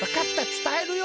つたえるよ。